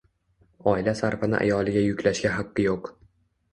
oila sarfini ayoliga yuklashga haqqi yo‘q.